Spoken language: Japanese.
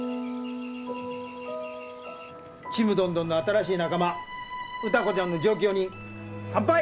ちむどんどんの新しい仲間歌子ちゃんの上京に乾杯！